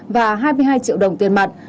và hai mươi hai triệu đồng tiền mặt